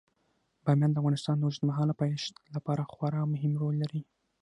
بامیان د افغانستان د اوږدمهاله پایښت لپاره خورا مهم رول لري.